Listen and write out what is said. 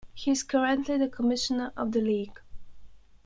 He is currently the commissioner of the league.